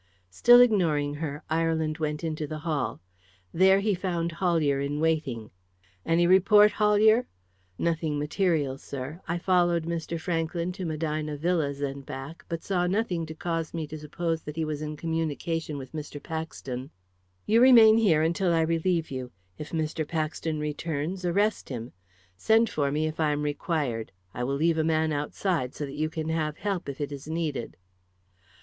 Still ignoring her, Ireland went into the hall. There he found Hollier in waiting. "Any report, Hollier?" "Nothing material, sir. I followed Mr. Franklyn to Medina Villas and back, but saw nothing to cause me to suppose that he was in communication with Mr. Paxton." "You remain here until I relieve you. If Mr. Paxton returns, arrest him. Send for me if I am required. I will leave a man outside, so that you can have help, if it is needed."